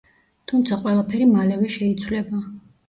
თუმცა ყველაფერი მალევე შეიცვლება.